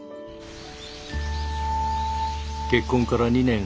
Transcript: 結婚から２年。